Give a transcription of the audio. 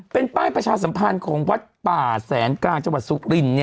เป็นป้ายประชาสัมพันธ์ของวัดป่าแสนกลางจังหวัดสุริน